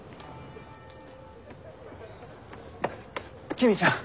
公ちゃん。